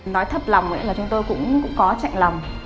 nói thấp lòng là chúng tôi cũng có chạy lòng